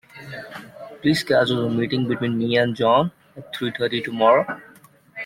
Please schedule a meeting between me and John at three thirty tomorrow.